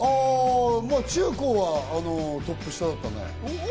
中高はトップ下だったね。